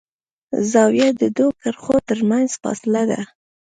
زاویه د دوو کرښو تر منځ فاصله ده.